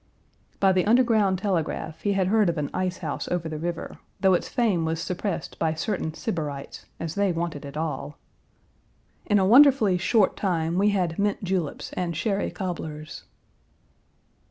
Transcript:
By the underground telegraph he had heard of an ice house over the river, though its fame was suppressed by certain Sybarites, as they wanted it all. In a wonderfully short time we had mint juleps and sherry cobblers.